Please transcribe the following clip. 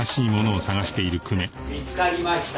見つかりました？